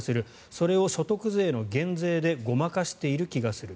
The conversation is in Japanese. それを所得税の減税でごまかしている気がする。